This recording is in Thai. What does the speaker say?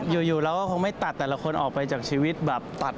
อยู่เราก็คงไม่ตัดแต่ละคนออกไปจากชีวิตแบบตัด